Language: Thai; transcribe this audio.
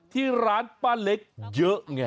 ที่ร้านป้าเล็กเยอะไง